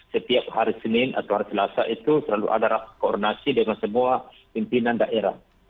setiap hari senin atau hari selasa itu selalu ada koordinasi dengan semua pimpinan daerah